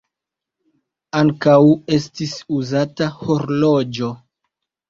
Ankaŭ estis uzata horloĝo.